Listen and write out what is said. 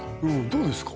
どうですか？